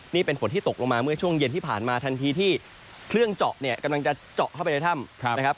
นี่เป็นฝนที่ตกลงมาเมื่อช่วงเย็นที่ผ่านมาทันทีที่เครื่องเจาะเนี่ยกำลังจะเจาะเข้าไปในถ้ำนะครับ